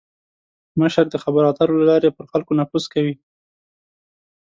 مشر د خبرو اترو له لارې پر خلکو نفوذ کوي.